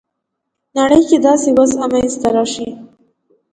نړۍ کې داسې وضع منځته راسي.